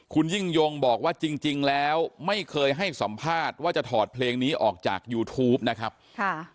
คุณยิ่งยงบอกว่าจริงแล้วไม่เคยให้สัมภาษณ์ว่าจะถอดเพลงนี้ออกจากยูทูปนะครับค่ะ